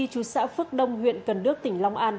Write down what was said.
chú xã phước đông huyện cần đước tỉnh long an